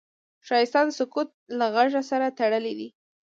ښایست د سکوت له غږ سره تړلی دی